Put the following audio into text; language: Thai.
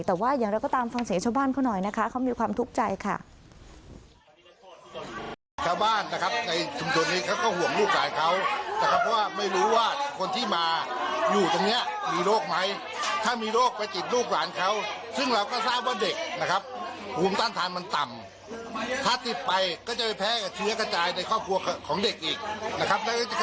แต่ว่าอย่างไรก็ตามฟังเสียงชาวบ้านเขาหน่อยนะคะเขามีความทุกข์ใจค่ะ